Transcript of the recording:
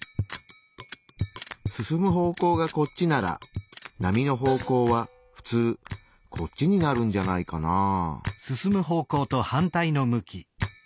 進む方向がこっちなら波の方向はふつうこっちになるんじゃないかなぁ。